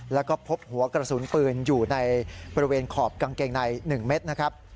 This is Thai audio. แล้วก็พบหัวกระสุนปืนอยู่ในบริเวณขอบกางเกงใน๑เม็ดนะครับ